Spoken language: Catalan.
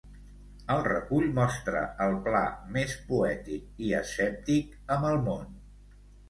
El recull mostra el Pla més poètic i escèptic amb el món.